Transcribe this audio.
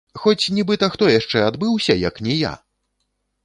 Хоць нібыта хто яшчэ адбыўся, як ні я?!